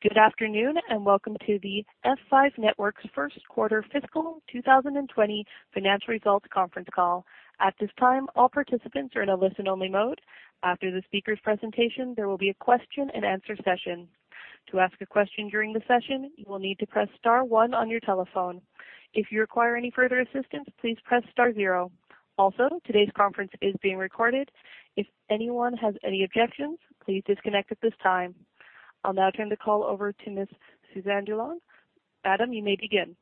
Good afternoon, and welcome to the F5 Networks' first quarter fiscal 2020 financial results conference call. At this time, all participants are in a listen-only mode. After the speakers' presentation, there will be a question-and-answer session. To ask a question during the session, you will need to press star one on your telephone. If you require any further assistance, please press star zero. Also, today's conference is being recorded. If anyone has any objections, please disconnect at this time. I'll now turn the call over to Ms. Suzanne DuLong. Ma'am, you may begin.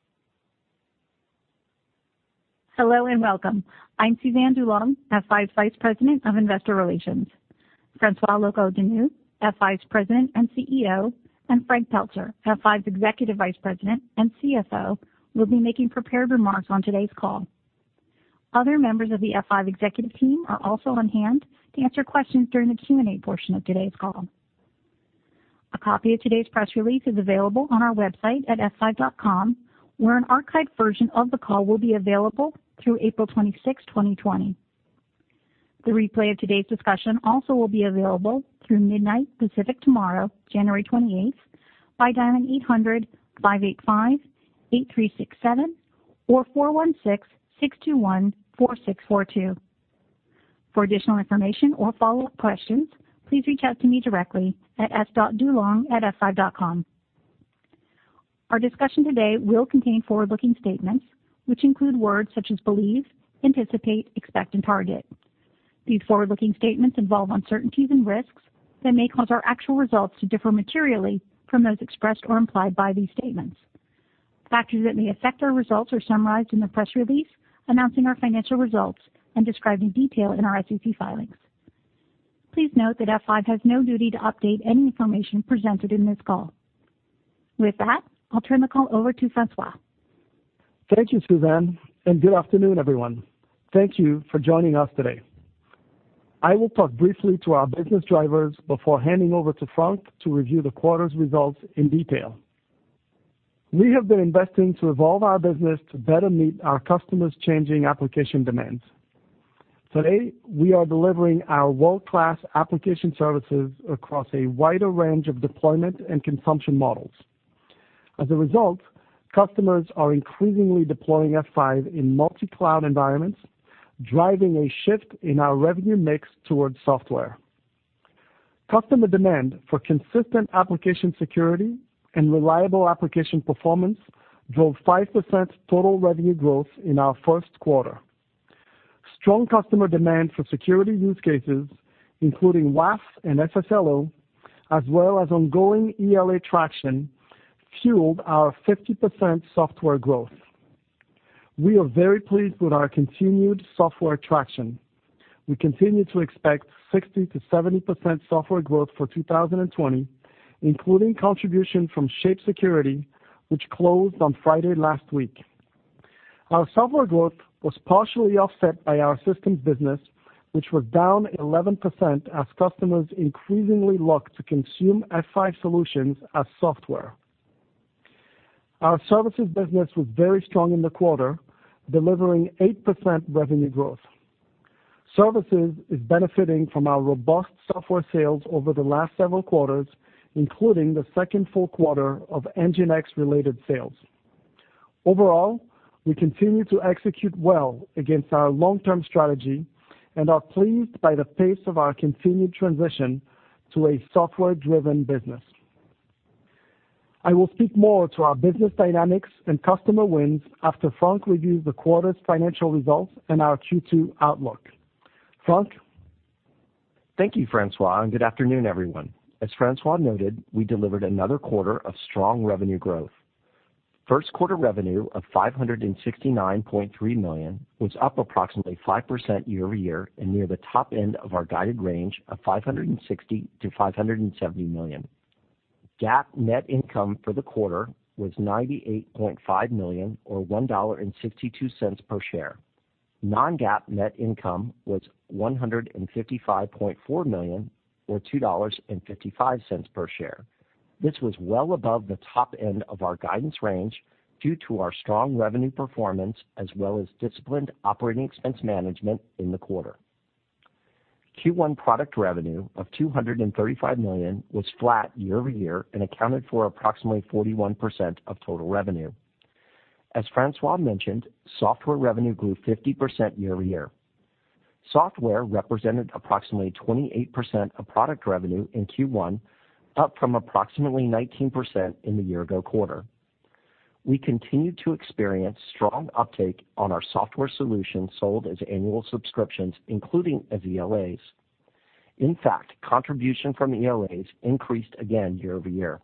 Hello and welcome. I'm Suzanne DuLong, F5's Vice President of Investor Relations. François Locoh-Donou, F5's President and CEO, and Frank Pelzer, F5's Executive Vice President and CFO will be making prepared remarks on today's call. Other members of the F5 executive team are also on hand to answer questions during the Q&A portion of today's call. A copy of today's press release is available on our website at f5.com, where an archived version of the call will be available through April 26, 2020. The replay of today's discussion also will be available through midnight Pacific tomorrow, January 28th, by dialing 800-585-8367 or 416-621-4642. For additional information or follow-up questions, please reach out to me directly at s.dulong@f5.com. Our discussion today will contain forward-looking statements, which include words such as believe, anticipate, expect, and target. These forward-looking statements involve uncertainties and risks that may cause our actual results to differ materially from those expressed or implied by these statements. Factors that may affect our results are summarized in the press release announcing our financial results and described in detail in our SEC filings. Please note that F5 has no duty to update any information presented in this call. With that, I'll turn the call over to François. Thank you, Suzanne, and good afternoon, everyone. Thank you for joining us today. I will talk briefly to our business drivers before handing over to Frank to review the quarter's results in detail. We have been investing to evolve our business to better meet our customers' changing application demands. Today, we are delivering our world-class application services across a wider range of deployment and consumption models. As a result, customers are increasingly deploying F5 in multi-cloud environments, driving a shift in our revenue mix towards software. Customer demand for consistent application security and reliable application performance drove 5% total revenue growth in our first quarter. Strong customer demand for security use cases, including WAF and SSLO, as well as ongoing ELA traction, fueled our 50% software growth. We are very pleased with our continued software traction. We continue to expect 60%-70% software growth for 2020, including contribution from Shape Security, which closed on Friday last week. Our software growth was partially offset by our systems business, which was down 11% as customers increasingly look to consume F5 solutions as software. Our services business was very strong in the quarter, delivering 8% revenue growth. Services is benefiting from our robust software sales over the last several quarters, including the second full quarter of NGINX-related sales. Overall, we continue to execute well against our long-term strategy and are pleased by the pace of our continued transition to a software-driven business. I will speak more to our business dynamics and customer wins after Frank reviews the quarter's financial results and our Q2 outlook. Frank? Thank you, François, and good afternoon, everyone. As François noted, we delivered another quarter of strong revenue growth. First quarter revenue of $569.3 million was up approximately 5% year-over-year and near the top end of our guided range of $560 million-$570 million. GAAP net income for the quarter was $98.5 million, or $1.62 per share. Non-GAAP net income was $155.4 million or $2.55 per share. This was well above the top end of our guidance range due to our strong revenue performance as well as disciplined operating expense management in the quarter. Q1 product revenue of $235 million was flat year-over-year and accounted for approximately 41% of total revenue. As François mentioned, software revenue grew 50% year-over-year. Software represented approximately 28% of product revenue in Q1, up from approximately 19% in the year-ago quarter. We continued to experience strong uptake on our software solutions sold as annual subscriptions, including as ELAs. In fact, contribution from ELAs increased again year-over-year.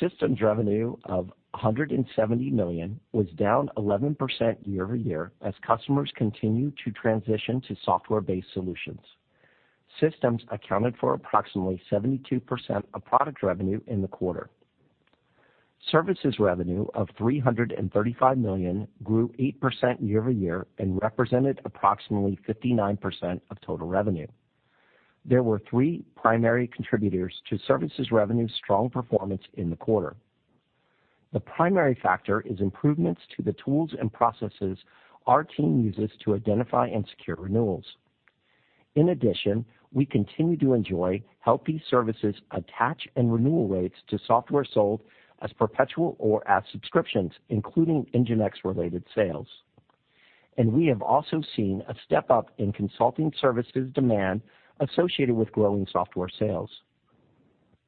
Systems revenue of $170 million was down 11% year-over-year as customers continue to transition to software-based solutions. Systems accounted for approximately 72% of product revenue in the quarter. Services revenue of $335 million grew 8% year-over-year and represented approximately 59% of total revenue. There were three primary contributors to services revenue's strong performance in the quarter. The primary factor is improvements to the tools and processes our team uses to identify and secure renewals. In addition, we continue to enjoy healthy services attach and renewal rates to software sold as perpetual or as subscriptions, including NGINX-related sales. We have also seen a step-up in consulting services demand associated with growing software sales.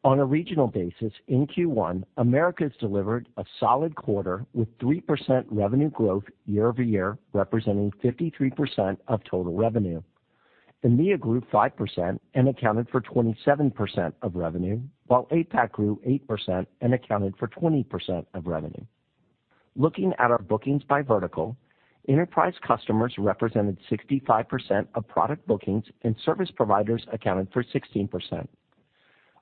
On a regional basis, in Q1, Americas delivered a solid quarter with 3% revenue growth year-over-year, representing 53% of total revenue. EMEA grew 5% and accounted for 27% of revenue, while APAC grew 8% and accounted for 20% of revenue. Looking at our bookings by vertical, enterprise customers represented 65% of product bookings and service providers accounted for 16%.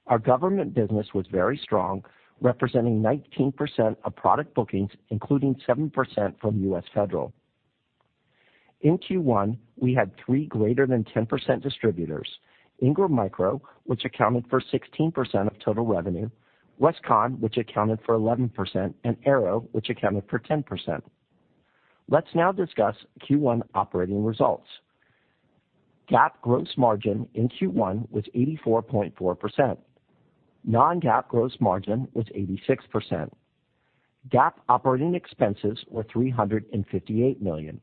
Our government business was very strong, representing 19% of product bookings, including 7% from U.S. Federal. In Q1, we had three greater than 10% distributors, Ingram Micro, which accounted for 16% of total revenue, Westcon, which accounted for 11%, and Arrow, which accounted for 10%. Let's now discuss Q1 operating results. GAAP gross margin in Q1 was 84.4%. Non-GAAP gross margin was 86%. GAAP operating expenses were $358 million.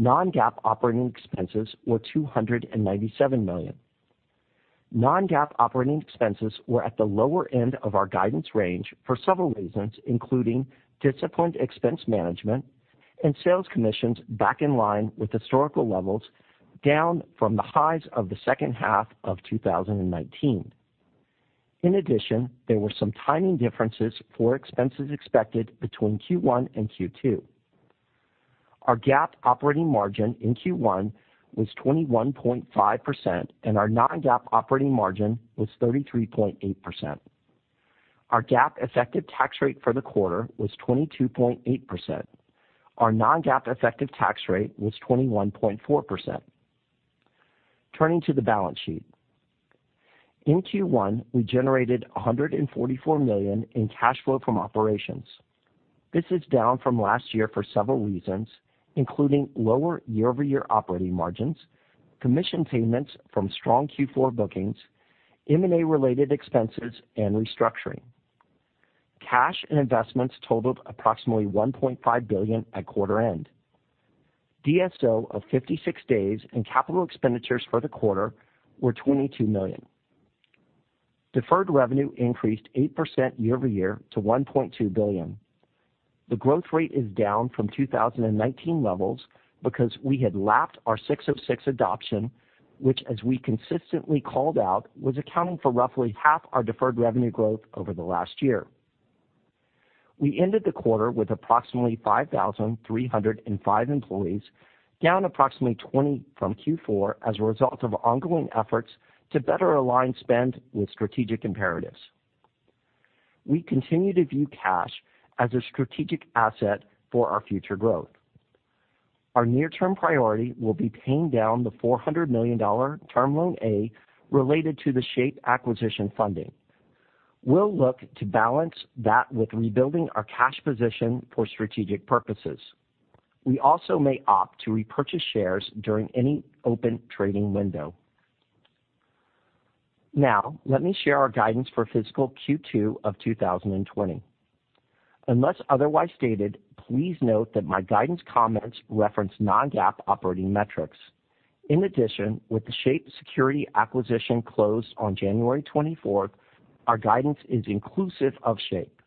Non-GAAP operating expenses were $297 million. Non-GAAP operating expenses were at the lower end of our guidance range for several reasons, including disciplined expense management and sales commissions back in line with historical levels, down from the highs of the second half of 2019. There were some timing differences for expenses expected between Q1 and Q2. Our GAAP operating margin in Q1 was 21.5%. Our non-GAAP operating margin was 33.8%. Our GAAP effective tax rate for the quarter was 22.8%. Our non-GAAP effective tax rate was 21.4%. Turning to the balance sheet. In Q1, we generated $144 million in cash flow from operations. This is down from last year for several reasons, including lower year-over-year operating margins, commission payments from strong Q4 bookings, M&A-related expenses, and restructuring. Cash and investments totaled approximately $1.5 billion at quarter end. DSO of 56 days. Capital expenditures for the quarter were $22 million. Deferred revenue increased 8% year-over-year to $1.2 billion. The growth rate is down from 2019 levels because we had lapped our ASC 606 adoption, which, as we consistently called out, was accounting for roughly 1/2 our deferred revenue growth over the last year. We ended the quarter with approximately 5,305 employees, down approximately 20 from Q4 as a result of ongoing efforts to better align spend with strategic imperatives. We continue to view cash as a strategic asset for our future growth. Our near-term priority will be paying down the $400 million Term Loan A related to the Shape acquisition funding. We'll look to balance that with rebuilding our cash position for strategic purposes. We also may opt to repurchase shares during any open trading window. Let me share our guidance for fiscal Q2 of 2020. Unless otherwise stated, please note that my guidance comments reference non-GAAP operating metrics. In addition, with the Shape Security acquisition closed on January 24th, our guidance is inclusive of Shape.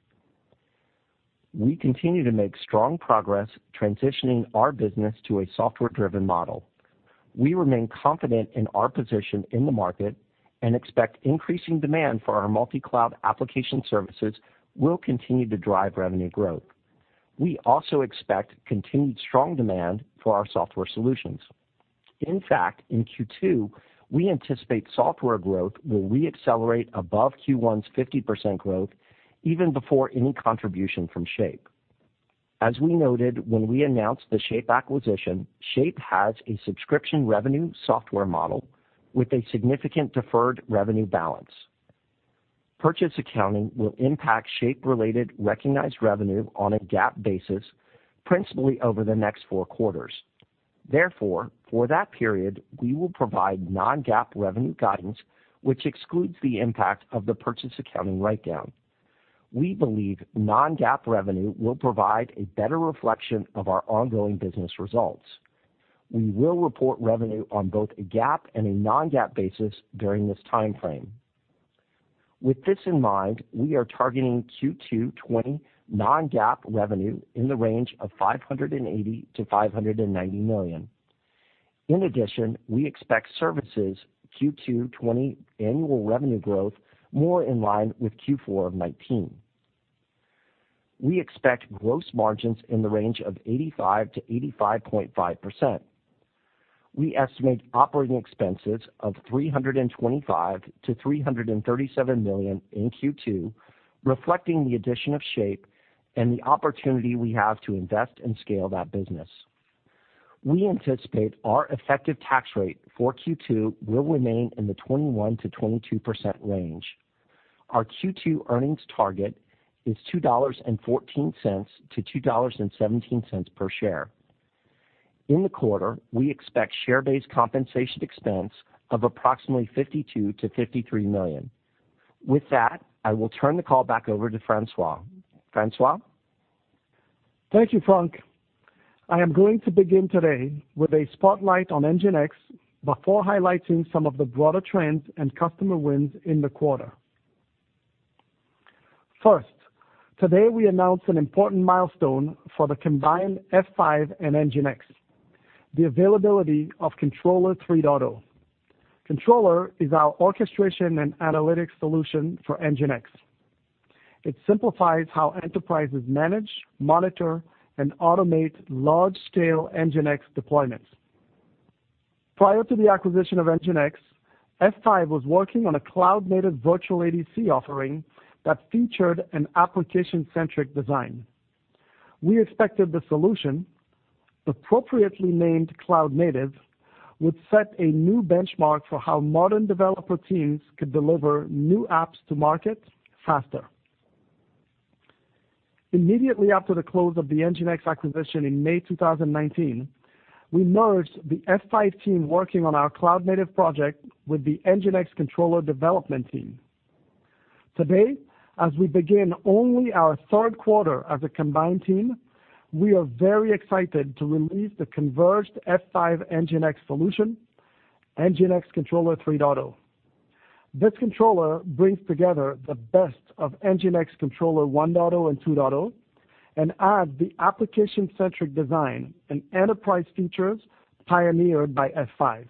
We continue to make strong progress transitioning our business to a software-driven model. We remain confident in our position in the market and expect increasing demand for our multi-cloud application services will continue to drive revenue growth. We also expect continued strong demand for our software solutions. In fact, in Q2, we anticipate software growth will re-accelerate above Q1's 50% growth even before any contribution from Shape. As we noted when we announced the Shape acquisition, Shape has a subscription revenue software model with a significant deferred revenue balance. Purchase accounting will impact Shape-related recognized revenue on a GAAP basis, principally over the next four quarters. Therefore, for that period, we will provide non-GAAP revenue guidance, which excludes the impact of the purchase accounting write-down. We believe non-GAAP revenue will provide a better reflection of our ongoing business results. We will report revenue on both a GAAP and a non-GAAP basis during this timeframe. With this in mind, we are targeting Q2 2020 non-GAAP revenue in the range of $580 million-$590 million. In addition, we expect services Q2 2020 annual revenue growth more in line with Q4 2019. We expect gross margins in the range of 85%-85.5%. We estimate operating expenses of $325 million-$337 million in Q2, reflecting the addition of Shape and the opportunity we have to invest and scale that business. We anticipate our effective tax rate for Q2 will remain in the 21%-22% range. Our Q2 earnings target is $2.14-$2.17 per share. In the quarter, we expect share-based compensation expense of approximately $52 million-$53 million. With that, I will turn the call back over to François. François? Thank you, Frank. I am going to begin today with a spotlight on NGINX before highlighting some of the broader trends and customer wins in the quarter. First, today we announce an important milestone for the combined F5 and NGINX, the availability of Controller 3.0. Controller is our orchestration and analytics solution for NGINX. It simplifies how enterprises manage, monitor, and automate large-scale NGINX deployments. Prior to the acquisition of NGINX, F5 was working on a cloud-native virtual ADC offering that featured an application-centric design. We expected the solution, appropriately named Cloud-Native, would set a new benchmark for how modern developer teams could deliver new apps to market faster. Immediately after the close of the NGINX acquisition in May 2019, we merged the F5 team working on our cloud-native project with the NGINX Controller development team. Today, as we begin only our third quarter as a combined team, we are very excited to release the converged F5 NGINX solution, NGINX Controller 3.0. This Controller brings together the best of NGINX Controller 1.0 and 2.0 and adds the application-centric design and enterprise features pioneered by F5.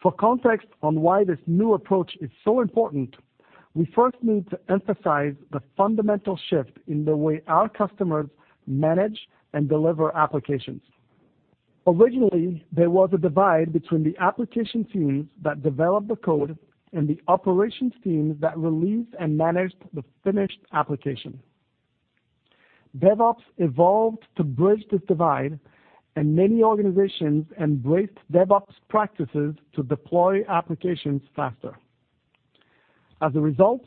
For context on why this new approach is so important, we first need to emphasize the fundamental shift in the way our customers manage and deliver applications. Originally, there was a divide between the application teams that developed the code and the operations teams that released and managed the finished application. DevOps evolved to bridge this divide and many organizations embraced DevOps practices to deploy applications faster. As a result,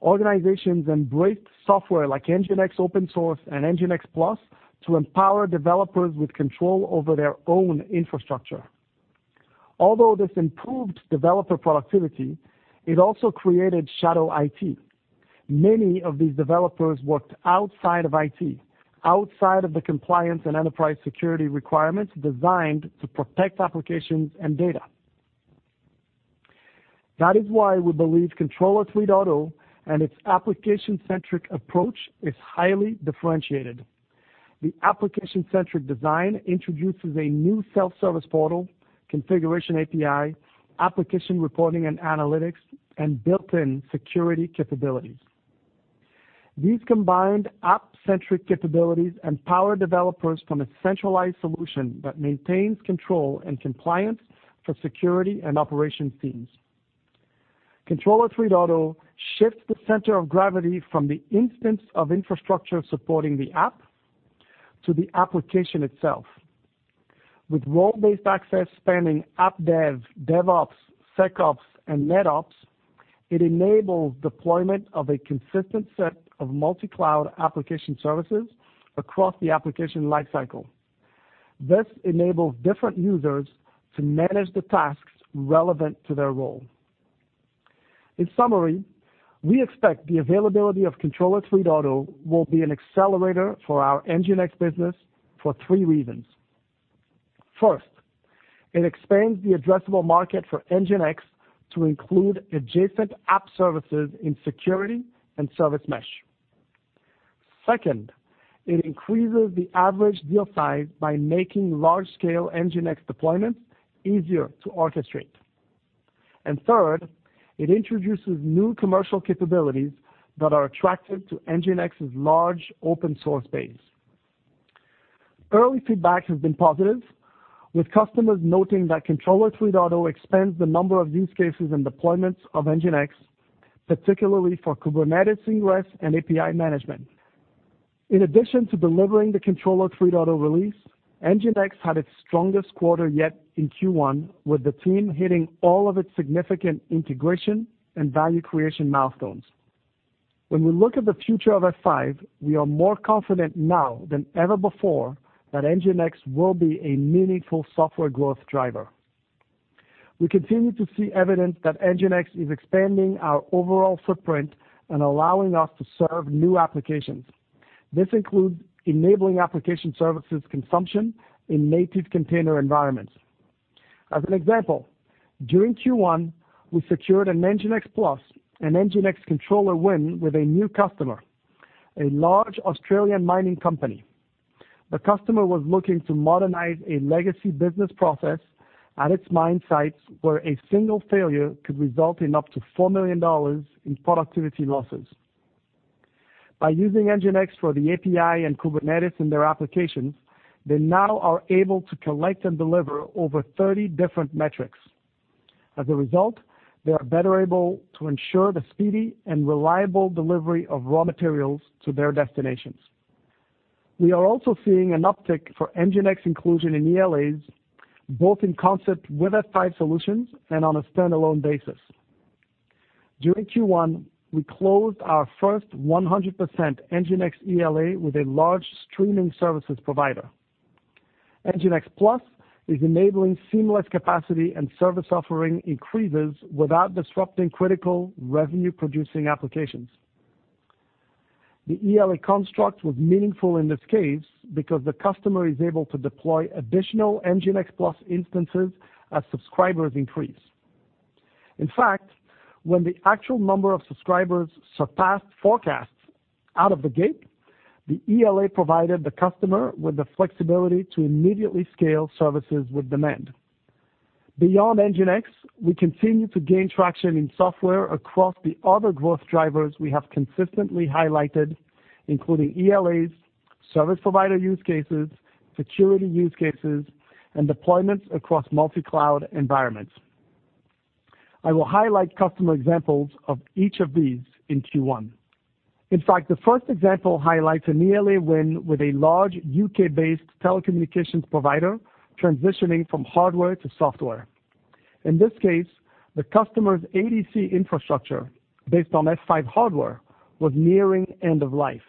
organizations embraced software like NGINX Open Source and NGINX Plus to empower developers with control over their own infrastructure. Although this improved developer productivity, it also created shadow IT. Many of these developers worked outside of IT, outside of the compliance and enterprise security requirements designed to protect applications and data. That is why we believe Controller 3.0 and its application-centric approach is highly differentiated. The application-centric design introduces a new self-service portal, configuration API, application reporting and analytics, and built-in security capabilities. These combined app-centric capabilities empower developers from a centralized solution that maintains control and compliance for security and operations teams. Controller 3.0 shifts the center of gravity from the instance of infrastructure supporting the app to the application itself. With role-based access spanning AppDev, DevOps, SecOps, and NetOps, it enables deployment of a consistent set of multi-cloud application services across the application lifecycle. This enables different users to manage the tasks relevant to their role. In summary, we expect the availability of Controller 3.0 will be an accelerator for our NGINX business for three reasons. First, it expands the addressable market for NGINX to include adjacent app services in security and service mesh. Second, it increases the average deal size by making large-scale NGINX deployments easier to orchestrate. Third, it introduces new commercial capabilities that are attractive to NGINX's large open-source base. Early feedback has been positive, with customers noting that Controller 3.0 expands the number of use cases and deployments of NGINX, particularly for Kubernetes Ingress and API management. In addition to delivering the Controller 3.0 release, NGINX had its strongest quarter yet in Q1, with the team hitting all of its significant integration and value creation milestones. When we look at the future of F5, we are more confident now than ever before that NGINX will be a meaningful software growth driver. We continue to see evidence that NGINX is expanding our overall footprint and allowing us to serve new applications. This includes enabling application services consumption in native container environments. As an example, during Q1, we secured an NGINX Plus and NGINX Controller win with a new customer, a large Australian mining company. The customer was looking to modernize a legacy business process at its mine sites, where a single failure could result in up to $4 million in productivity losses. By using NGINX for the API and Kubernetes in their applications, they now are able to collect and deliver over 30 different metrics. As a result, they are better able to ensure the speedy and reliable delivery of raw materials to their destinations. We are also seeing an uptick for NGINX inclusion in ELAs, both in concept with F5 solutions and on a standalone basis. During Q1, we closed our first 100% NGINX ELA with a large streaming services provider. NGINX Plus is enabling seamless capacity and service offering increases without disrupting critical revenue-producing applications. The ELA construct was meaningful in this case because the customer is able to deploy additional NGINX Plus instances as subscribers increase. In fact, when the actual number of subscribers surpassed forecasts out of the gate, the ELA provided the customer with the flexibility to immediately scale services with demand. Beyond NGINX, we continue to gain traction in software across the other growth drivers we have consistently highlighted, including ELAs, service provider use cases, security use cases, and deployments across multi-cloud environments. I will highlight customer examples of each of these in Q1. In fact, the first example highlights an ELA win with a large U.K.-based telecommunications provider transitioning from hardware to software. In this case, the customer's ADC infrastructure, based on F5 hardware, was nearing end of life.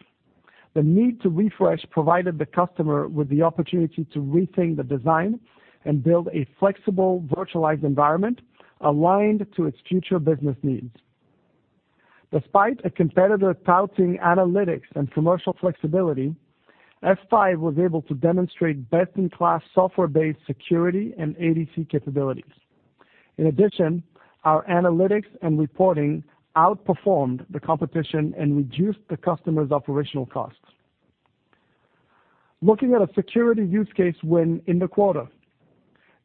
The need to refresh provided the customer with the opportunity to rethink the design and build a flexible virtualized environment aligned to its future business needs. Despite a competitor touting analytics and commercial flexibility, F5 was able to demonstrate best-in-class software-based security and ADC capabilities. In addition, our analytics and reporting outperformed the competition and reduced the customer's operational costs. Looking at a security use case win in the quarter.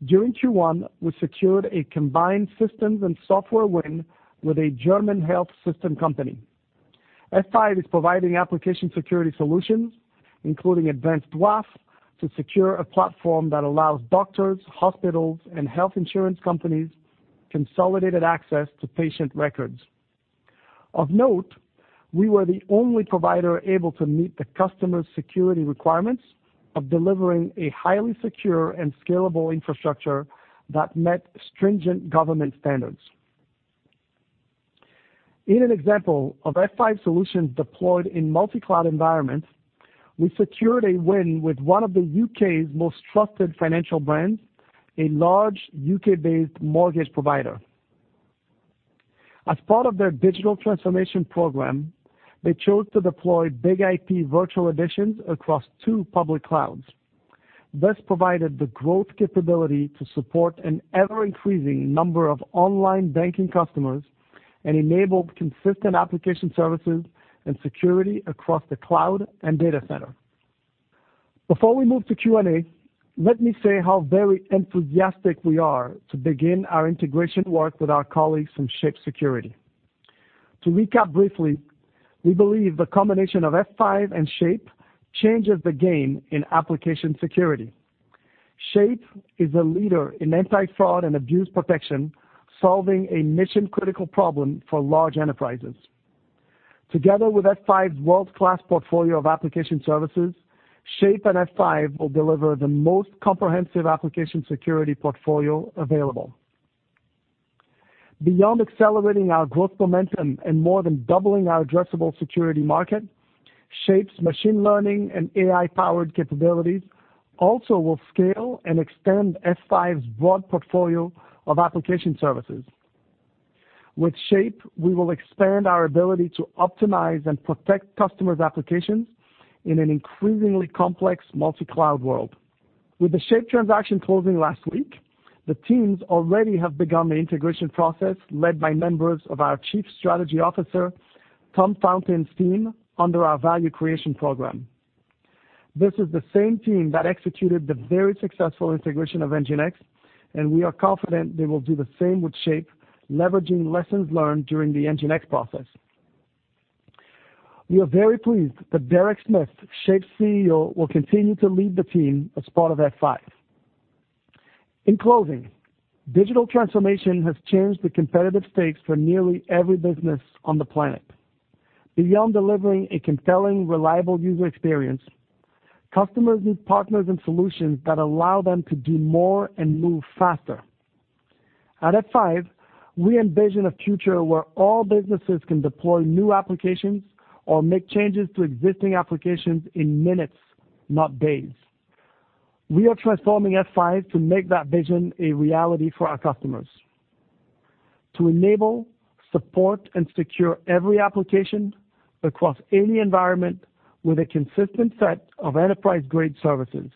During Q1, we secured a combined systems and software win with a German health system company. F5 is providing application security solutions, including Advanced WAF, to secure a platform that allows doctors, hospitals, and health insurance companies consolidated access to patient records. Of note, we were the only provider able to meet the customer's security requirements of delivering a highly secure and scalable infrastructure that met stringent government standards. In an example of F5 solutions deployed in multi-cloud environments, we secured a win with one of the U.K.'s most trusted financial brands, a large U.K.-based mortgage provider. As part of their digital transformation program, they chose to deploy BIG-IP Virtual Editions across two public clouds. This provided the growth capability to support an ever-increasing number of online banking customers and enabled consistent application services and security across the cloud and data center. Before we move to Q&A, let me say how very enthusiastic we are to begin our integration work with our colleagues from Shape Security. To recap briefly, we believe the combination of F5 and Shape changes the game in application security. Shape is a leader in anti-fraud and abuse protection, solving a mission-critical problem for large enterprises. Together with F5's world-class portfolio of application services, Shape and F5 will deliver the most comprehensive application security portfolio available. Beyond accelerating our growth momentum and more than doubling our addressable security market, Shape's machine learning and AI-powered capabilities also will scale and extend F5's broad portfolio of application services. With Shape, we will expand our ability to optimize and protect customers' applications in an increasingly complex multi-cloud world. With the Shape transaction closing last week, the teams already have begun the integration process led by members of our Chief Strategy Officer, Tom Fountain's team, under our value creation program. This is the same team that executed the very successful integration of NGINX, and we are confident they will do the same with Shape, leveraging lessons learned during the NGINX process. We are very pleased that Derek Smith, Shape's CEO, will continue to lead the team as part of F5. In closing, digital transformation has changed the competitive stakes for nearly every business on the planet. Beyond delivering a compelling, reliable user experience, customers need partners and solutions that allow them to do more and move faster. At F5, we envision a future where all businesses can deploy new applications or make changes to existing applications in minutes, not days. We are transforming F5 to make that vision a reality for our customers. To enable, support, and secure every application across any environment with a consistent set of enterprise-grade services.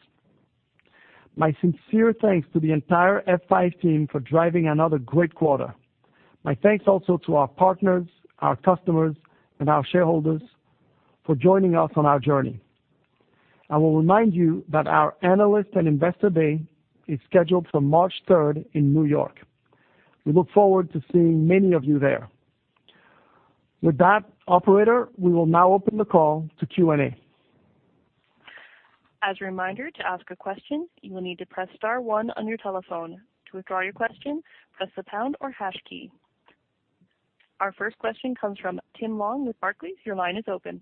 My sincere thanks to the entire F5 team for driving another great quarter. My thanks also to our partners, our customers, and our shareholders for joining us on our journey. I will remind you that our Analyst and Investor Day is scheduled for March 3rd in New York. We look forward to seeing many of you there. With that, operator, we will now open the call to Q&A. As a reminder, to ask a question, you will need to press star one on your telephone. To withdraw your question, press the pound or hash key. Our first question comes from Tim Long with Barclays. Your line is open.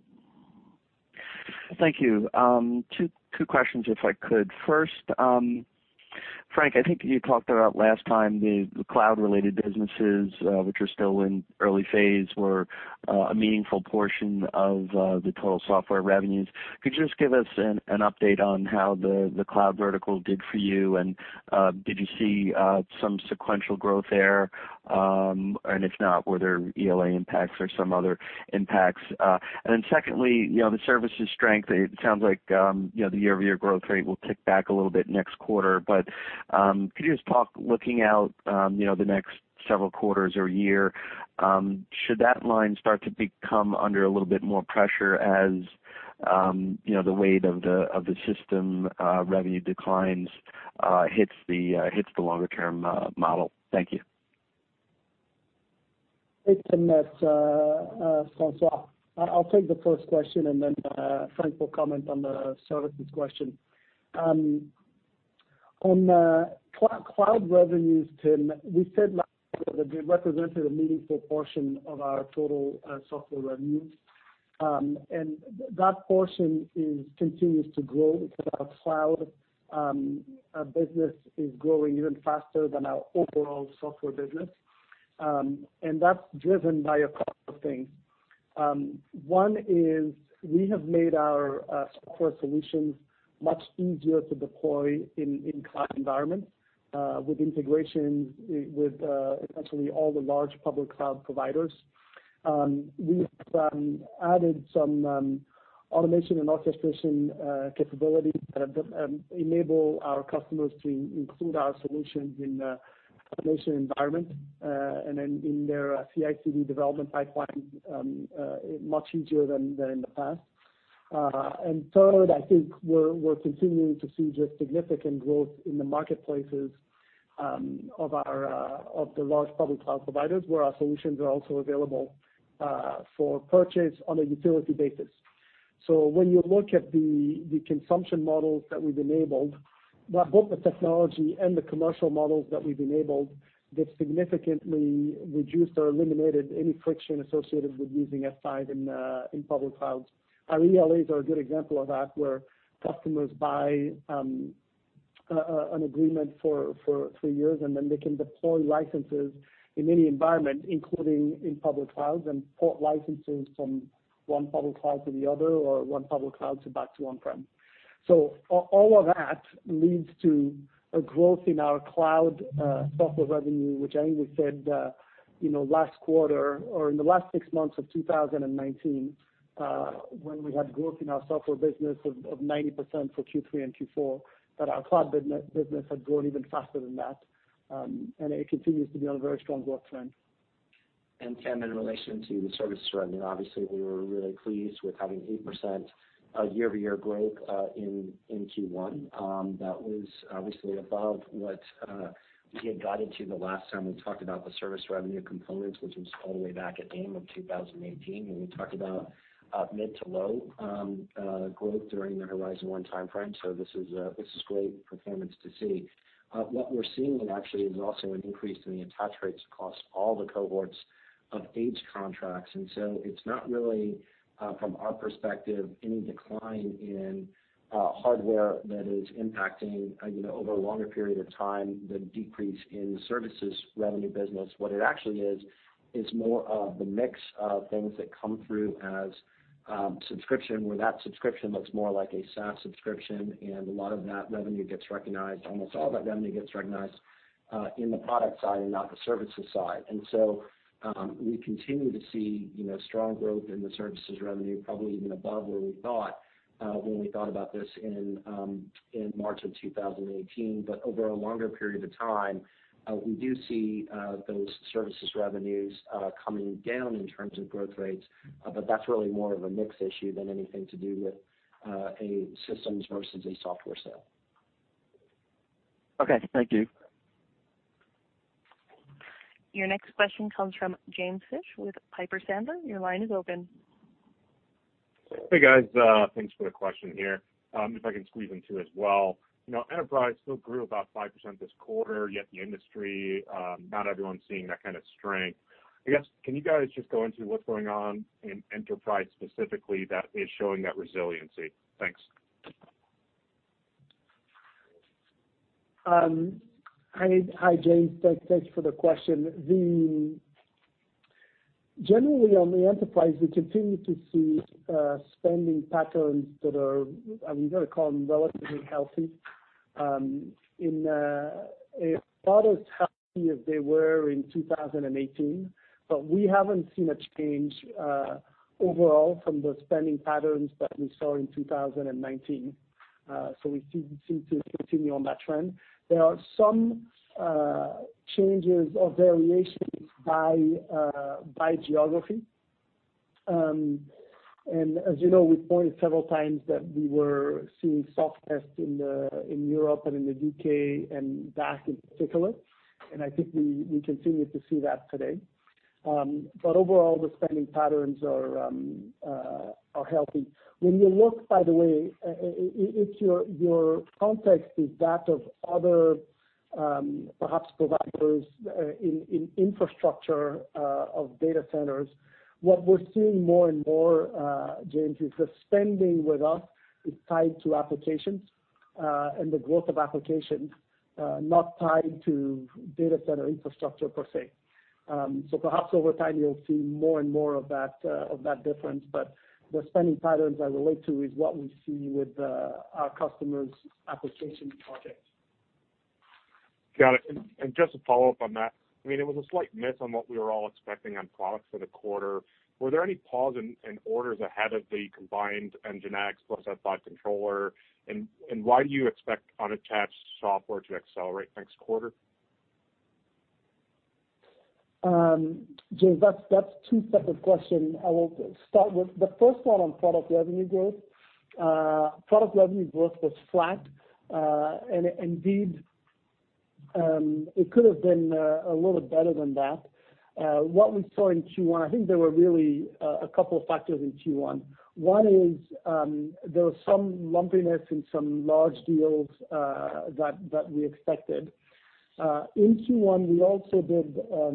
Thank you. Two questions, if I could. First, Frank, I think you talked about last time the cloud-related businesses, which are still in early phase, were a meaningful portion of the total software revenues. Could you just give us an update on how the cloud vertical did for you, and did you see some sequential growth there? If not, were there ELA impacts or some other impacts? Secondly, the services strength, it sounds like the year-over-year growth rate will tick back a little bit next quarter. Could you just talk, looking out the next several quarters or year, should that line start to become under a little bit more pressure as the weight of the system revenue declines hits the longer-term model? Thank you. Hey, Tim. It's François. I'll take the first question, and then Frank will comment on the services question. On cloud revenues, Tim, we said last quarter that they represented a meaningful portion of our total software revenues. That portion continues to grow because our cloud business is growing even faster than our overall software business. That's driven by a couple of things. One is we have made our software solutions much easier to deploy in cloud environments with integrations with essentially all the large public cloud providers. We have added some automation and orchestration capabilities that enable our customers to include our solutions in the automation environment, and then in their CI/CD development pipeline much easier than in the past. Third, I think we're continuing to see just significant growth in the marketplaces of the large public cloud providers, where our solutions are also available for purchase on a utility basis. When you look at the consumption models that we've enabled, both the technology and the commercial models that we've enabled, they've significantly reduced or eliminated any friction associated with using F5 in public clouds. Our ELAs are a good example of that, where customers buy an agreement for three years, and then they can deploy licenses in any environment, including in public clouds, and port licenses from one public cloud to the other, or one public cloud to back to on-prem. All of that leads to a growth in our cloud software revenue, which I think we said, last quarter or in the last six months of 2019, when we had growth in our software business of 90% for Q3 and Q4, that our cloud business had grown even faster than that. It continues to be on a very strong growth trend. Tim, in relation to the services revenue, obviously, we were really pleased with having 8% year-over-year growth in Q1. That was obviously above what we had guided to the last time we talked about the service revenue components, which was all the way back at AIM of 2018, when we talked about mid to low growth during the Horizon ONE timeframe. This is great performance to see. What we're seeing then actually is also an increase in the attach rates across all the cohorts of ADS contracts. It's not really, from our perspective, any decline in hardware that is impacting over a longer period of time, the decrease in services revenue business. What it actually is more of the mix of things that come through as subscription, where that subscription looks more like a SaaS subscription, and almost all that revenue gets recognized in the product side and not the services side. We continue to see strong growth in the services revenue, probably even above where we thought when we thought about this in March of 2018. Over a longer period of time, we do see those services revenues coming down in terms of growth rates. That's really more of a mix issue than anything to do with a systems versus a software sale. Thank you. Your next question comes from James Fish with Piper Sandler. Your line is open. Hey, guys. Thanks for the question here. If I can squeeze in two as well. Enterprise still grew about 5% this quarter, yet the industry, not everyone's seeing that kind of strength. I guess, can you guys just go into what's going on in enterprise specifically that is showing that resiliency? Thanks. Hi, James. Thanks for the question. Generally, on the enterprise, we continue to see spending patterns that are, I'm going to call them relatively healthy. Not as healthy as they were in 2018, but we haven't seen a change overall from the spending patterns that we saw in 2019. We seem to continue on that trend. There are some changes or variations by geography. As you know, we pointed several times that we were seeing softness in Europe and in the U.K. and DACH in particular, and I think we continue to see that today. Overall, the spending patterns are healthy. If your context is that of other perhaps providers in infrastructure of data centers, what we're seeing more and more, James, is the spending with us is tied to applications and the growth of applications, not tied to data center infrastructure per se. Perhaps over time you'll see more and more of that difference. The spending patterns I relate to is what we see with our customers' application projects. Got it. Just to follow up on that, it was a slight miss on what we were all expecting on products for the quarter. Were there any pause in orders ahead of the combined NGINX Plus L7 Controller? Why do you expect unattached software to accelerate next quarter? James, that's two separate questions. I will start with the first one on product revenue growth. Product revenue growth was flat. Indeed, it could have been a little better than that. I think there were really a couple of factors in Q1. One is, there was some lumpiness in some large deals that we expected. In Q1, we also did a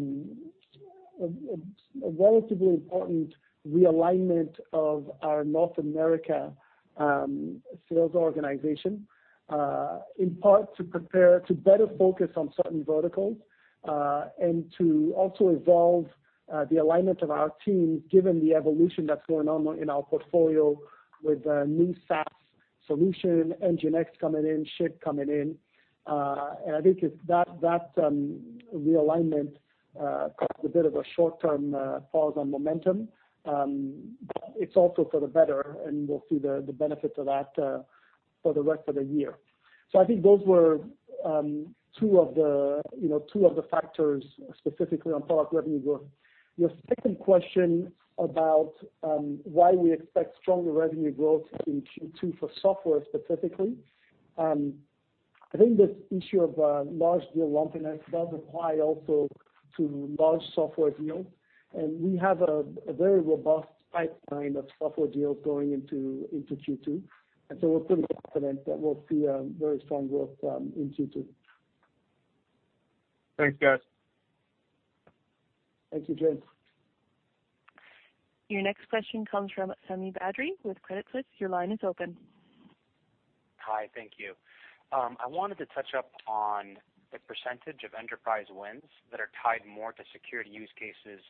relatively important realignment of our North America sales organization. In part to prepare to better focus on certain verticals, and to also evolve the alignment of our team, given the evolution that's going on in our portfolio with a new SaaS solution, NGINX coming in, Shape coming in. I think that realignment caused a bit of a short-term pause on momentum. It's also for the better, and we'll see the benefit of that for the rest of the year. I think those were two of the factors specifically on product revenue growth. Your second question about why we expect stronger revenue growth in Q2 for software specifically. I think this issue of large deal lumpiness does apply also to large software deals. We have a very robust pipeline of software deals going into Q2. We're pretty confident that we'll see a very strong growth in Q2. Thanks, guys. Thank you, James. Your next question comes from Sami Badri with Credit Suisse. Your line is open. Hi, thank you. I wanted to touch up on the percentage of enterprise wins that are tied more to security use cases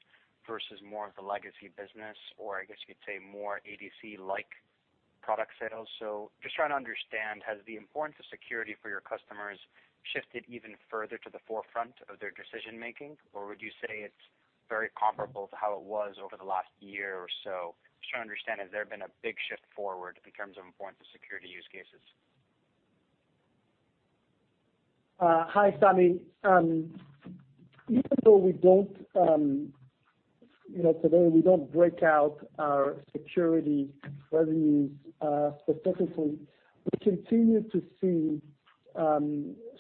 versus more of the legacy business, or I guess you could say more ADC-like product sales. Just trying to understand, has the importance of security for your customers shifted even further to the forefront of their decision-making? Would you say it's very comparable to how it was over the last year or so? Just trying to understand, has there been a big shift forward in terms of importance of security use cases? Hi, Sami. Even though today we don't break out our security revenues specifically, we continue to see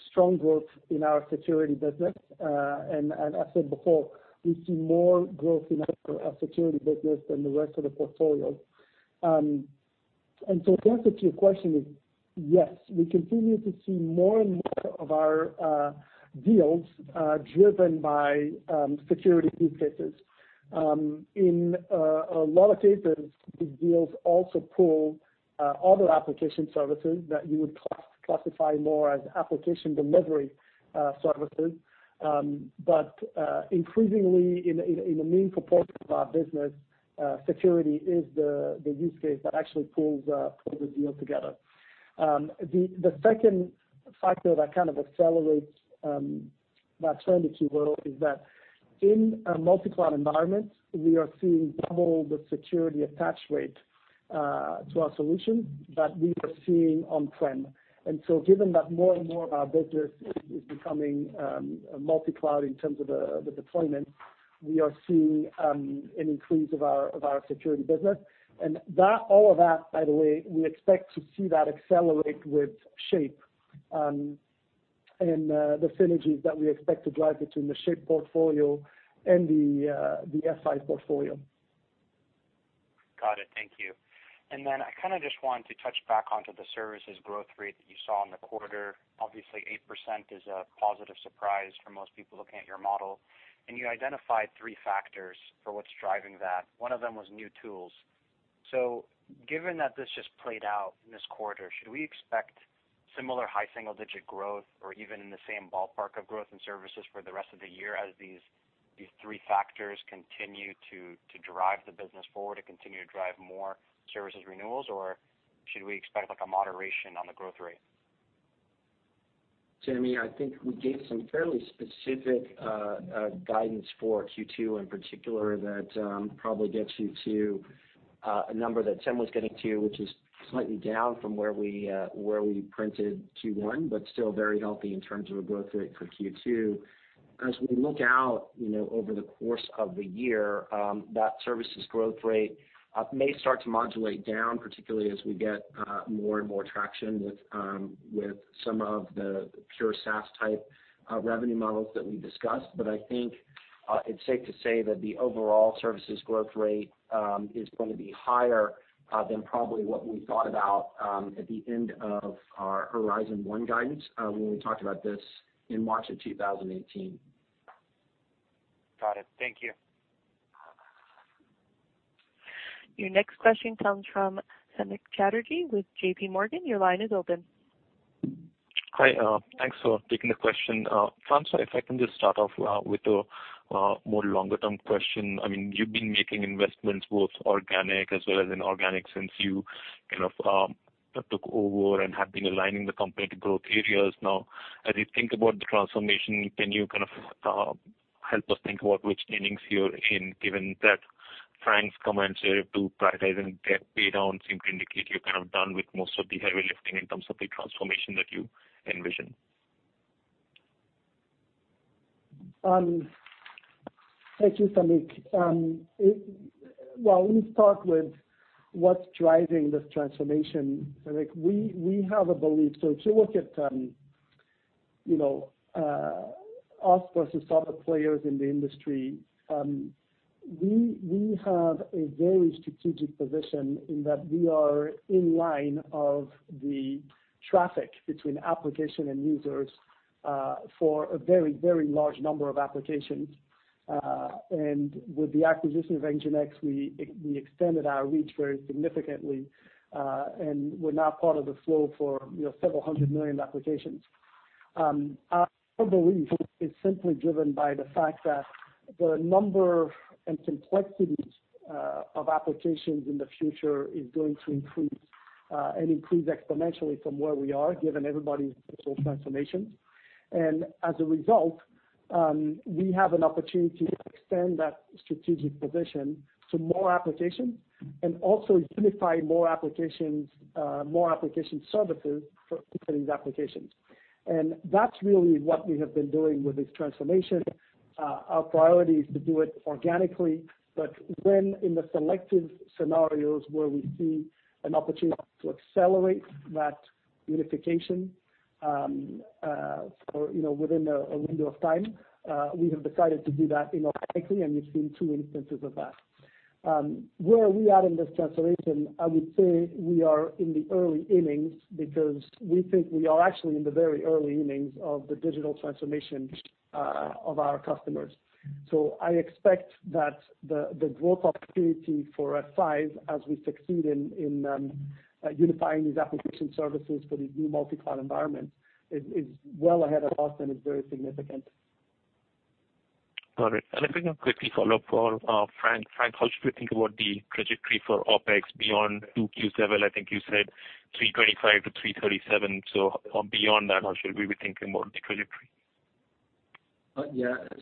strong growth in our security business. As I said before, we see more growth in our security business than the rest of the portfolio. The answer to your question is yes, we continue to see more and more of our deals driven by security use cases. In a lot of cases, these deals also pull other application services that you would classify more as application delivery services. Increasingly, in the main proportion of our business, security is the use case that actually pulls the deal together. The second factor that kind of accelerates that trend, if you will, is that in a multi-cloud environment, we are seeing double the security attach rate to our solution that we were seeing on-prem. Given that more and more of our business is becoming multi-cloud in terms of the deployment, we are seeing an increase of our security business. All of that, by the way, we expect to see that accelerate with Shape, and the synergies that we expect to drive between the Shape portfolio and the F5 portfolio. Got it. Thank you. I kind of just wanted to touch back onto the services growth rate that you saw in the quarter. Obviously, 8% is a positive surprise for most people looking at your model. You identified three factors for what's driving that. One of them was new tools. Given that this just played out this quarter, should we expect similar high single-digit growth or even in the same ballpark of growth in services for the rest of the year as these three factors continue to drive the business forward and continue to drive more services renewals? Should we expect like a moderation on the growth rate? Sami, I think we gave some fairly specific guidance for Q2 in particular that probably gets you to a number that I was getting to, which is slightly down from where we printed Q1, still very healthy in terms of a growth rate for Q2. As we look out over the course of the year, that services growth rate may start to modulate down, particularly as we get more and more traction with some of the pure SaaS-type revenue models that we discussed. I think it's safe to say that the overall services growth rate is going to be higher than probably what we thought about at the end of our Horizon ONE guidance when we talked about this in March of 2018. Got it. Thank you. Your next question comes from Samik Chatterjee with JPMorgan. Your line is open. Hi. Thanks for taking the question. François, if I can just start off with a more longer-term question. You've been making investments, both organic as well as inorganic, since you took over and have been aligning the company to growth areas. Now, as you think about the transformation, can you help us think about which innings you're in, given that Frank's comments here to prioritizing debt paydown seem to indicate you're kind of done with most of the heavy lifting in terms of the transformation that you envision? Thank you, Samik. Let me start with what's driving this transformation, Samik. We have a belief. If you look at us versus other players in the industry, we have a very strategic position in that we are in line of the traffic between application and users for a very large number of applications. With the acquisition of NGINX, we extended our reach very significantly, and we're now part of the flow for several hundred million applications. Our belief is simply driven by the fact that the number and complexities of applications in the future is going to increase exponentially from where we are, given everybody's digital transformation. As a result, we have an opportunity to extend that strategic position to more applications and also unify more application services for these applications. That's really what we have been doing with this transformation. Our priority is to do it organically. In the selective scenarios where we see an opportunity to accelerate that unification within a window of time, we have decided to do that inorganically, and you've seen two instances of that. Where we are in this transformation, I would say we are in the early innings because we think we are actually in the very early innings of the digital transformation of our customers. I expect that the growth opportunity for F5 as we succeed in unifying these application services for these new multi-cloud environments is well ahead of us and is very significant. Got it. If I can quickly follow for Frank. Frank, how should we think about the trajectory for OpEx beyond 2Q? I think you said $325 million-$337 million. Beyond that, how should we be thinking about the trajectory?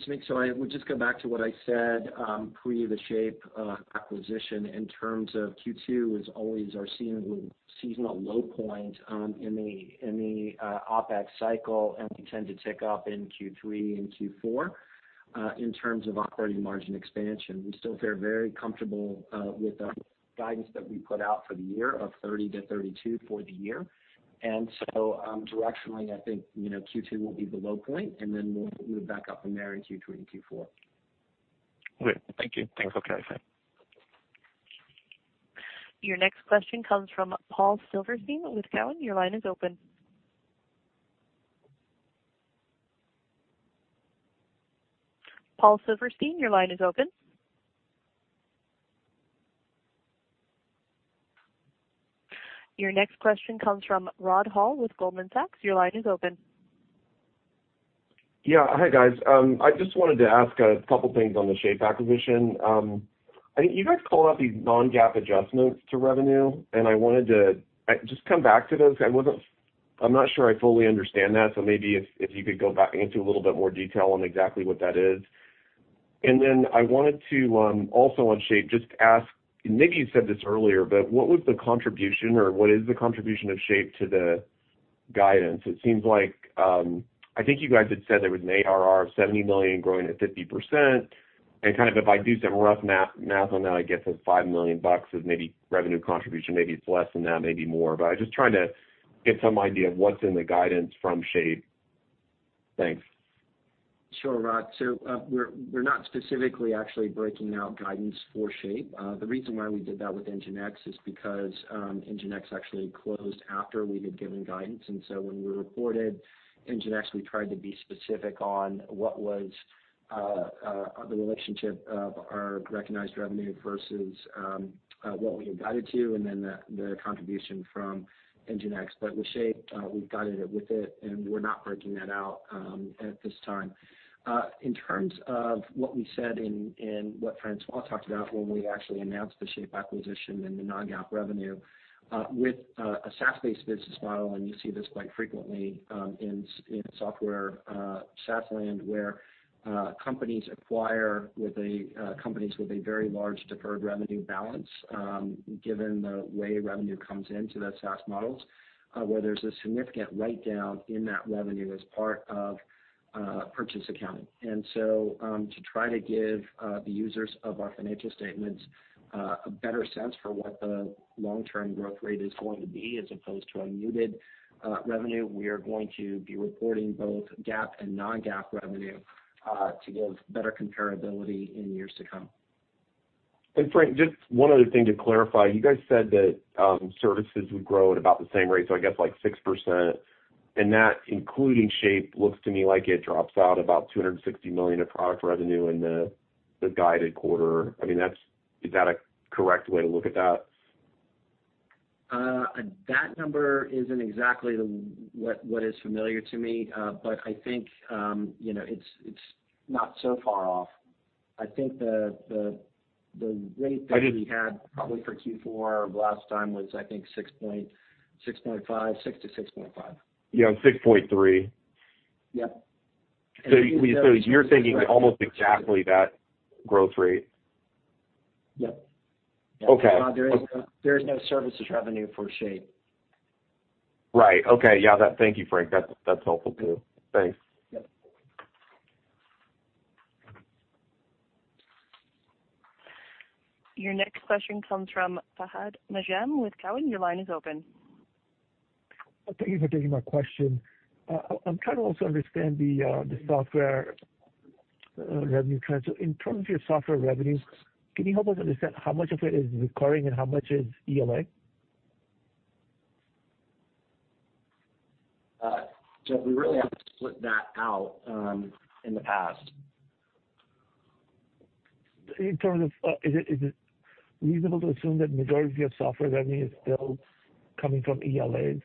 Samik, I would just go back to what I said pre the Shape acquisition in terms of Q2 is always our seasonal low point in the OpEx cycle, and we tend to tick up in Q3 and Q4 in terms of operating margin expansion. We still feel very comfortable with the guidance that we put out of 30%-32% for the year. Directionally, I think Q2 will be the low point, and then we'll move back up from there in Q3 and Q4. Great. Thank you. Bye. Your next question comes from Paul Silverstein with Cowen. Your line is open. Paul Silverstein, your line is open. Your next question comes from Rod Hall with Goldman Sachs. Your line is open. Hi, guys. I just wanted to ask a couple things on the Shape acquisition. I think you guys called out these non-GAAP adjustments to revenue, and I wanted to just come back to those. I'm not sure I fully understand that, so maybe if you could go back into a little bit more detail on exactly what that is. On Shape, I think you said this earlier, but what is the contribution of Shape to the guidance? It seems like, I think you guys had said there was an ARR of $70 million growing at 50%, and if I do some rough math on that, I get to $5 million as maybe revenue contribution. Maybe it's less than that, maybe more. I was just trying to get some idea of what's in the guidance from Shape. Thanks. Sure, Rod. We're not specifically actually breaking out guidance for Shape. The reason why we did that with NGINX is because NGINX actually closed after we had given guidance. When we reported NGINX, we tried to be specific on what was the relationship of our recognized revenue versus what we had guided to, and then the contribution from NGINX. With Shape, we've guided it with it, and we're not breaking that out at this time. In terms of what we said and what François talked about when we actually announced the Shape acquisition and the non-GAAP revenue, with a SaaS-based business model, and you see this quite frequently in software SaaS land where companies acquire companies with a very large deferred revenue balance, given the way revenue comes into the SaaS models, where there's a significant write-down in that revenue as part of purchase accounting. To try to give the users of our financial statements a better sense for what the long-term growth rate is going to be, as opposed to a muted revenue, we are going to be reporting both GAAP and non-GAAP revenue to give better comparability in years to come. Frank, just one other thing to clarify. You guys said that services would grow at about the same rate, so I guess like 6%, and that including Shape, looks to me like it drops out about $260 million of product revenue in the guided quarter. Is that a correct way to look at that? That number isn't exactly what is familiar to me, but I think it's not so far off. I think the rate that we had probably for Q4 last time was, I think 6%-6.5%. 6.3%. You're thinking almost exactly that growth rate? Yep. There is no services revenue for Shape. Thank you, Frank. That's helpful too. Thanks. Your next question comes from Fahad Najam with Cowen. Your line is open. Thank you for taking my question. I'm trying to also understand the software revenue trends. In terms of your software revenues, can you help us understand how much of it is recurring and how much is ELA? We really haven't split that out in the past. Is it reasonable to assume that majority of software revenue is still coming from ELAs?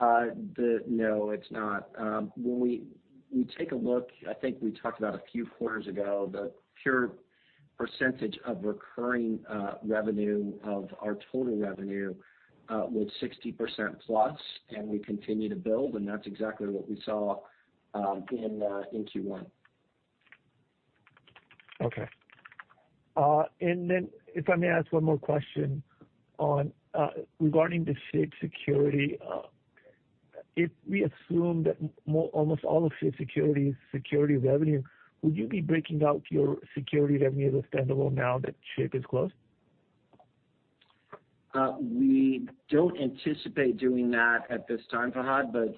No, it's not. I think we talked about a few quarters ago, the pure percentage of recurring revenue of our total revenue was 60%+, and we continue to build, and that's exactly what we saw in Q1. If I may ask one more question regarding the Shape Security. If we assume that almost all of Shape Security is security revenue, would you be breaking out your security revenue as a standalone now that Shape is closed? We don't anticipate doing that at this time, Fahad, but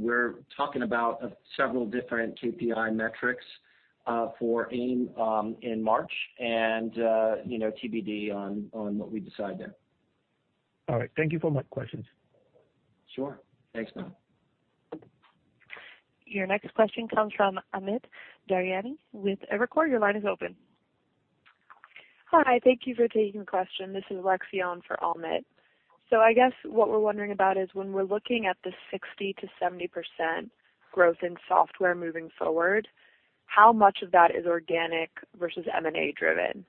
we're talking about several different KPI metrics for AIM in March, and TBD on what we decide there. All right. Thank you for my questions. Sure. Thanks, Fahad. Your next question comes from Amit Daryanani with Evercore. Your line is open. Hi, thank you for taking the question. This is [Lexi] on for Amit. I guess what we're wondering about is when we're looking at the 60%-70% growth in software moving forward, how much of that is organic versus M&A driven?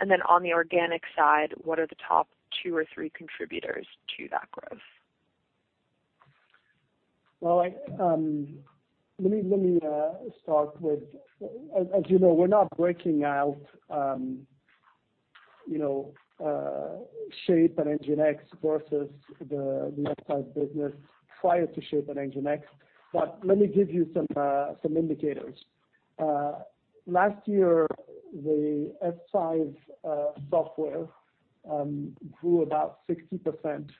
On the organic side, what are the top two or three contributors to that growth? As you know, we're not breaking out Shape and NGINX versus the F5 business prior to Shape and NGINX. Let me give you some indicators. Last year, the F5 software grew about 60%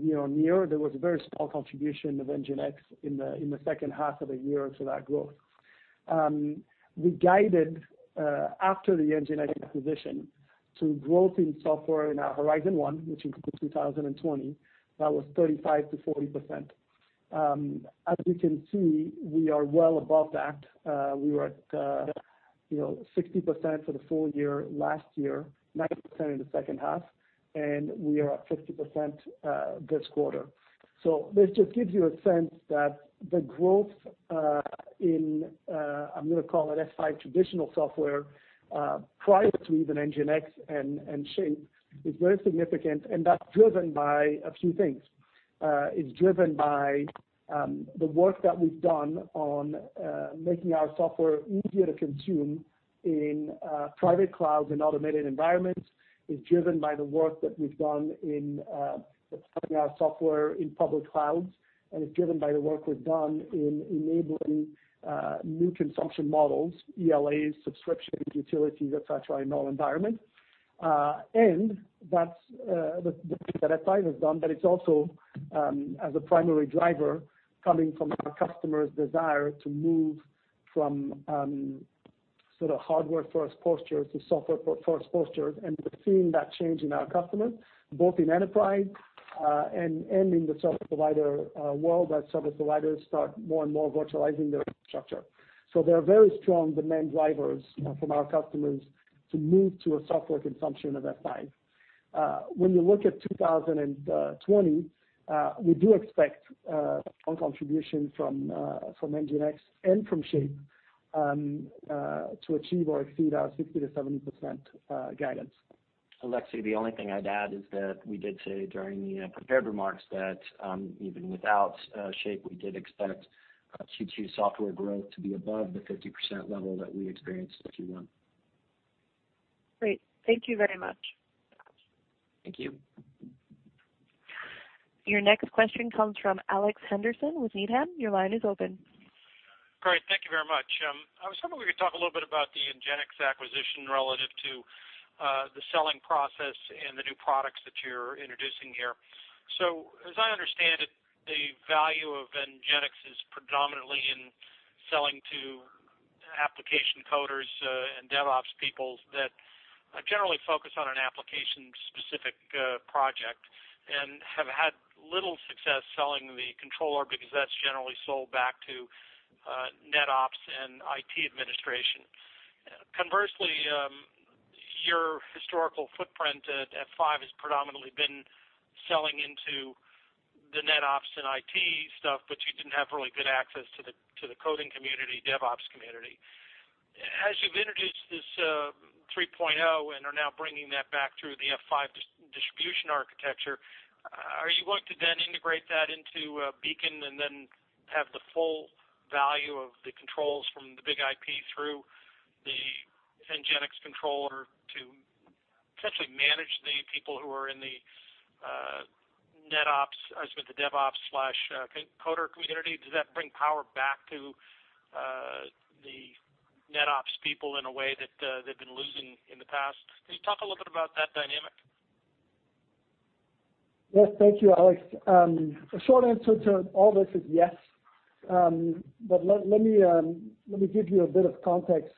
year-on-year. There was a very small contribution of NGINX in the second half of the year to that growth. We guided, after the NGINX acquisition, to growth in software in our Horizon ONE, which includes 2020, that was 35%-40%. As you can see, we are well above that. We were at 60% for the full year last year, 90% in the second half, and we are at 50% this quarter. This just gives you a sense that the growth in, I'm going to call it F5 traditional software, prior to even NGINX and Shape is very significant, and that's driven by a few things. It's driven by the work that we've done on making our software easier to consume in private clouds and automated environments. It's driven by the work that we've done in putting our software in public clouds, and it's driven by the work we've done in enabling new consumption models, ELAs, subscriptions, utilities, et cetera, in all environments. That's the work that F5 has done, but it's also, as a primary driver, coming from our customers' desire to move from sort of hardware first posture to software first posture. We're seeing that change in our customers, both in enterprise and in the service provider world as service providers start more and more virtualizing their infrastructure. There are very strong demand drivers from our customers to move to a software consumption of F5. When you look at 2020, we do expect some contribution from NGINX and from Shape to achieve or exceed our 60%-70% guidance. [Lexi], the only thing I'd add is that we did say during the prepared remarks that even without Shape, we did expect Q2 software growth to be above the 50% level that we experienced in Q1. Great. Thank you very much. Thank you. Your next question comes from Alex Henderson with Needham. Your line is open. Great. Thank you very much. I was hoping we could talk a little bit about the NGINX acquisition relative to the selling process and the new products that you're introducing here. As I understand it, the value of NGINX is predominantly in selling to application coders and DevOps people that generally focus on an application-specific project, and have had little success selling the Controller because that's generally sold back to NetOps and IT administration. Conversely, your historical footprint at F5 has predominantly been selling into the NetOps and IT, but you didn't have really good access to the coding community, DevOps community. As you've introduced this 3.0 and are now bringing that back through the F5 distribution architecture, are you going to then integrate that into Beacon and then have the full value of the controls from the BIG-IP through the NGINX Controller to essentially manage the people who are in the DevOps/coder community? Does that bring power back to the NetOps people in a way that they've been losing in the past? Can you talk a little bit about that dynamic? Thank you, Alex. The short answer to all this is yes. Let me give you a bit of context.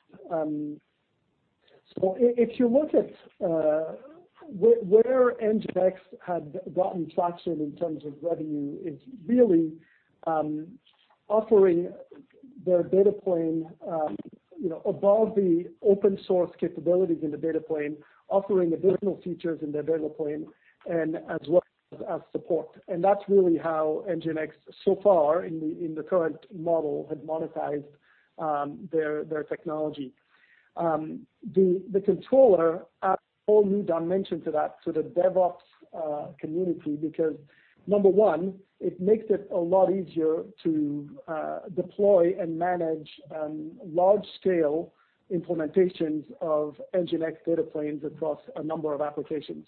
If you look at where NGINX had gotten traction in terms of revenue, it's really offering their data plane above the open source capabilities in the data plane, offering additional features in their data plane, and as well as support. That's really how NGINX, so far in the current model, had monetized their technology. The Controller adds a whole new dimension to that, to the DevOps community because, number one, it makes it a lot easier to deploy and manage large scale implementations of NGINX data planes across a number of applications.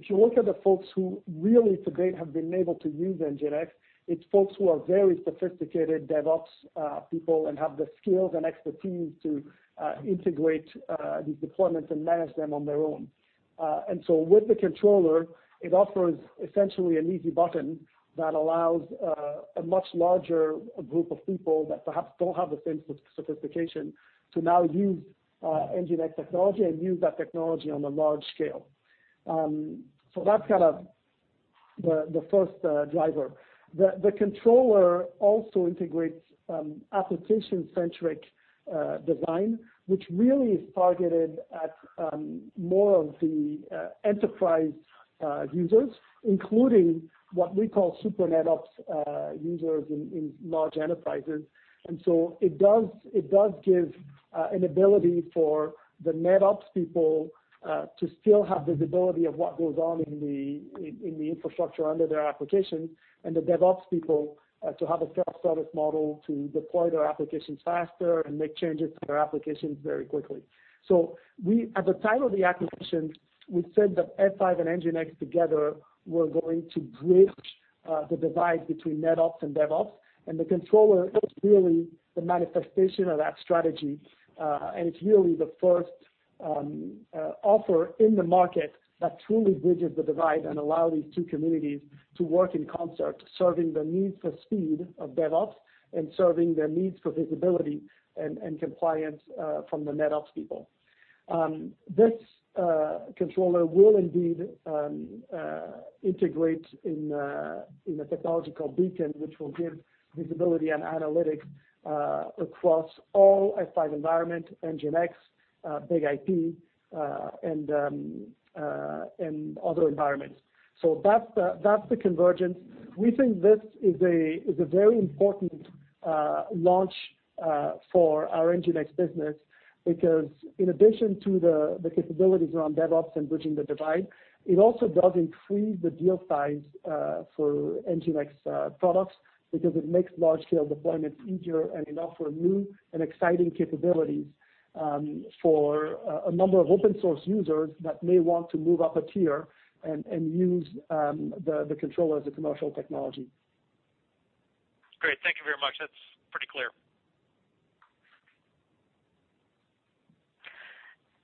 If you look at the folks who really to date have been able to use NGINX, it's folks who are very sophisticated DevOps people and have the skills and expertise to integrate these deployments and manage them on their own. With the Controller, it offers essentially an easy button that allows a much larger group of people that perhaps don't have the same sophistication to now use NGINX technology and use that technology on a large scale. That's kind of the first driver. The Controller also integrates application-centric design, which really is targeted at more of the enterprise users, including what we call super NetOps users in large enterprises. It does give an ability for the NetOps people to still have visibility of what goes on in the infrastructure under their application and the DevOps people to have a self-service model to deploy their applications faster and make changes to their applications very quickly. At the time of the acquisition, we said that F5 and NGINX together were going to bridge the divide between NetOps and DevOps, and the Controller is really the manifestation of that strategy. It's really the first offer in the market that truly bridges the divide and allow these two communities to work in concert, serving the need for speed of DevOps and serving their needs for visibility and compliance from the NetOps people. This Controller will indeed integrate in a technology called Beacon, which will give visibility and analytics across all F5 environment, NGINX, BIG-IP, and other environments. That's the convergence. We think this is a very important launch for our NGINX business because in addition to the capabilities around DevOps and bridging the divide, it also does increase the deal size for NGINX products because it makes large scale deployments easier and it offers new and exciting capabilities for a number of open source users that may want to move up a tier and use the Controller as a commercial technology. Great. Thank you very much. That's pretty clear.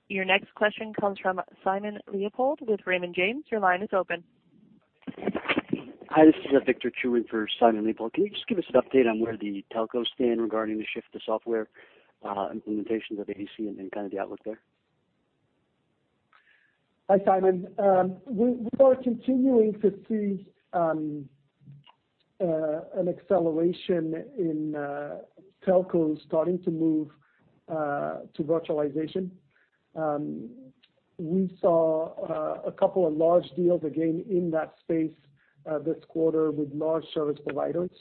Your next question comes from Simon Leopold with Raymond James. Your line is open. Hi, this is Victor Chiu in for Simon Leopold. Can you just give us an update on where the telcos stand regarding the shift to software implementations of ADC and kind of the outlook there? Hi, Victor. We are continuing to see an acceleration in telcos starting to move to virtualization. We saw a couple of large deals again in that space this quarter with large service providers.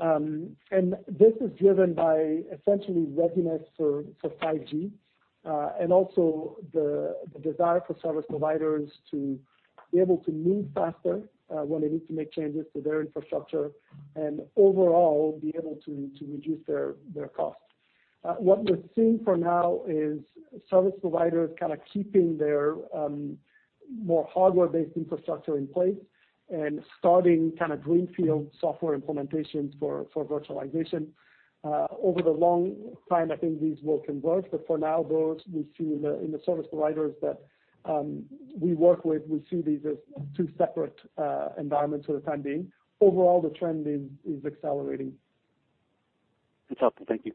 This is driven by essentially readiness for 5G, and also the desire for service providers to be able to move faster when they need to make changes to their infrastructure and overall be able to reduce their costs. What we're seeing for now is service providers kind of keeping their more hardware-based infrastructure in place. Starting kind of greenfield software implementations for virtualization. Over the long time, I think these will converge, but for now, those we see in the service providers that we work with, we see these as two separate environments for the time being. Overall, the trend is accelerating. That's helpful. Thank you.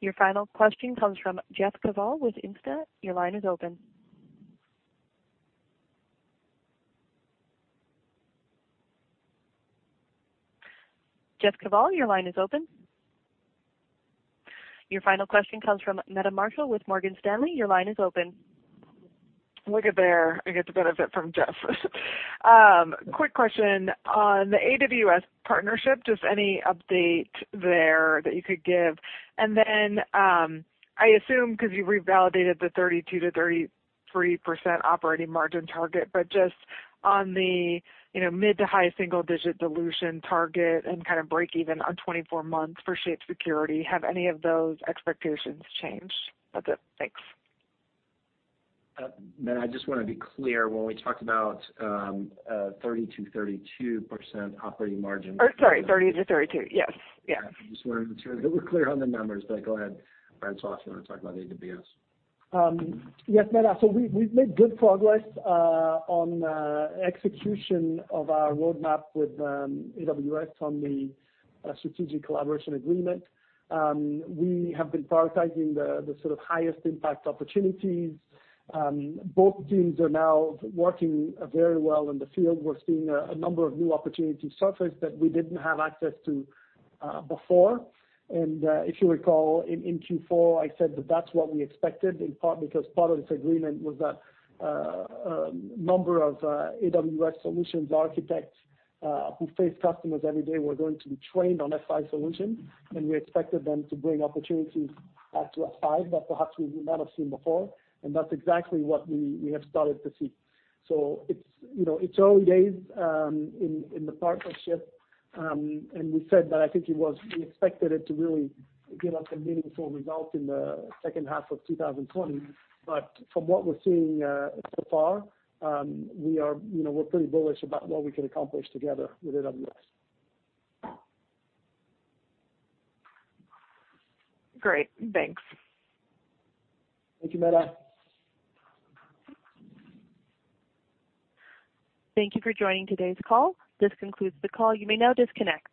Your final question comes from Jeff Kvaal with Instinet. Your line is open. Jeff Kvaal, your line is open. Your final question comes from Meta Marshall with Morgan Stanley. Your line is open. Look at there. I get the benefit from Jeff. Quick question. On the AWS partnership, just any update there that you could give? I assume because you revalidated the 32%-33% operating margin target, just on the mid to high single-digit dilution target and kind of breakeven on 24 months for Shape Security, have any of those expectations changed? That's it. Thanks. Meta, I just want to be clear, we talked about 30%-32% operating margin. Oh, sorry, 30%-32%. I just wanted to make sure that we're clear on the numbers. Go ahead, François, if you want to talk about AWS. Meta, we've made good progress on execution of our roadmap with AWS on the strategic collaboration agreement. We have been prioritizing the sort of highest impact opportunities. Both teams are now working very well in the field. We're seeing a number of new opportunities surface that we didn't have access to before. If you recall, in Q4, I said that that's what we expected, in part because part of this agreement was that a number of AWS solutions architects who face customers every day were going to be trained on F5 solutions. We expected them to bring opportunities to F5 that perhaps we would not have seen before. That's exactly what we have started to see. It's early days in the partnership. We said that I think we expected it to really give us a meaningful result in the second half of 2020. From what we're seeing so far, we're pretty bullish about what we can accomplish together with AWS. Great, thanks. Thank you, Meta. Thank you for joining today's call. This concludes the call. You may now disconnect.